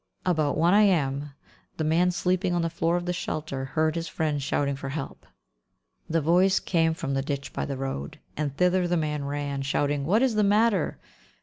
About 1 A.M. the man sleeping on the floor of the shelter heard his friend shouting for help. The voice came from the ditch by the road, and thither the man ran, shouting "What is the matter?"